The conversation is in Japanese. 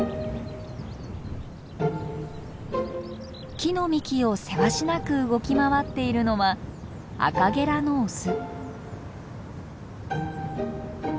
木の幹をせわしなく動き回っているのはアカゲラのオス。